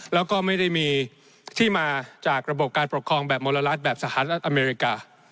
แล้วก็ไม่ได้มีที่มาจากระบบการปกครองแบบมลรัฐแบบสหรัฐอเมริกา